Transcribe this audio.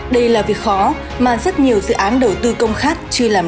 đây là việc khó mà rất nhiều dự án đầu tư công nghiệp